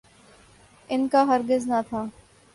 ان کا ہرگز نہ تھا۔